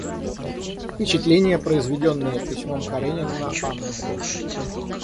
Впечатление, произведенное письмом Каренина на Анну.